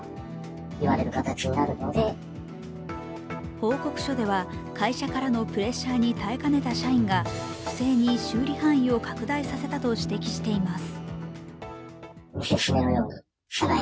報告書では会社からのプレッシャーに耐えかねた社員が不正に修理範囲を拡大させたと指摘しています。